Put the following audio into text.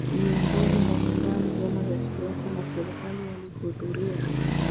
Viongozi mbali mbali vyama vya siasa na Serikali walihudhuria